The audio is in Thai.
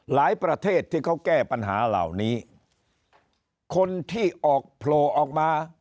ประเทศที่เขาแก้ปัญหาเหล่านี้คนที่ออกโผล่ออกมา